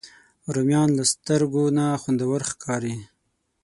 رومیان له سترګو نه خوندور ښکاري